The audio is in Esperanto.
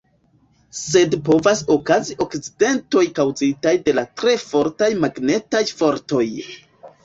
Sed povas okazi akcidentoj kaŭzitaj de la tre fortaj magnetaj fortoj.